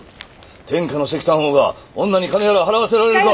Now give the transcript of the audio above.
天下の石炭王が女に金やら払わせられるか！